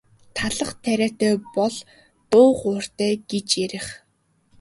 Талх тариатай бол дуу хууртай гэж ярих.